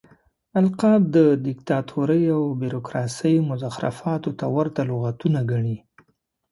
القاب د ديکتاتورۍ او بيروکراسۍ مزخرفاتو ته ورته لغتونه ګڼي.